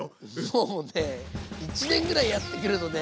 もうね１年ぐらいやってくるとね